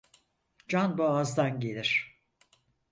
Can boğazdan gelir.